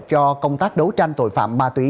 cho công tác đấu tranh tội phạm ma túy